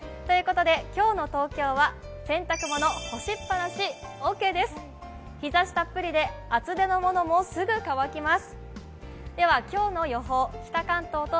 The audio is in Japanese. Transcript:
今日の東京は洗濯物干しっぱなしオーケーです日ざしたっぷりで、厚手のものもすぐ乾きます。